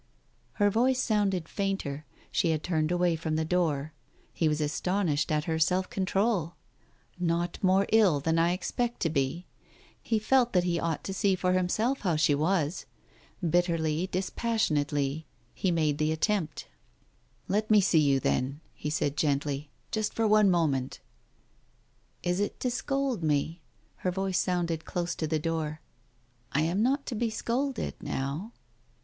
Her voice sounded fainter, she had turned away from the door. He was astonished at her self control — "not more ill than I expect to be !" He felt that he ought to see for himself how she was. Bitterly, dispassion ately, he made the attempt. Digitized by Google THE TIGER SKIN 313 "Let me see you, then," he said gently. "Just for one moment !"" Is it to scold me ?" Her voice sounded close to the door. " I am not to be scolded — now."